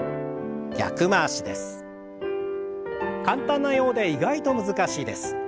簡単なようで意外と難しいです。